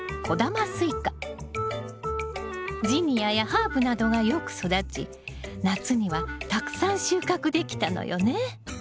スイカジニアやハーブなどがよく育ち夏にはたくさん収穫できたのよね。